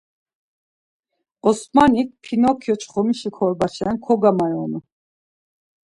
Osmanik Pinokyo çxomişi korbaşen kogamayonu.